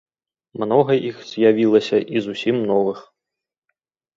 Многа іх з'явілася і зусім новых.